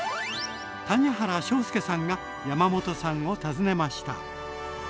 谷原章介さんが山本さんを訪ねました。